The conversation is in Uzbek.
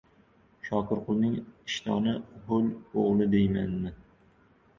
Shokirqulning ishtoni ho‘l o‘g‘li deymanmi?